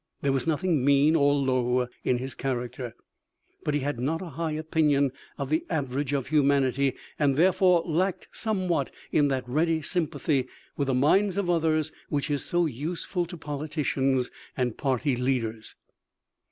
There was nothing mean or low in his character, but he had not a high opinion of the average of humanity, and therefore lacked somewhat in that ready sympathy with the minds of others which is so useful to politicians and party leaders.